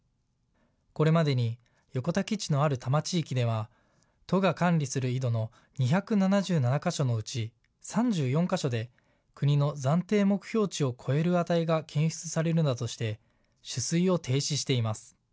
これまでに横田基地のある多摩地域では都が管理する井戸の２７７か所のうち３４か所で国の暫定目標値を超える値が検出されるなどして取水を停止しています。